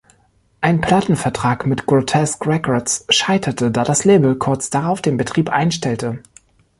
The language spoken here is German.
Ein Plattenvertrag mit "Grotesque Records" scheiterte, da das Label kurz darauf den Betrieb einstellte.